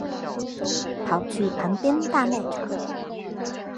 跑去旁边大卖场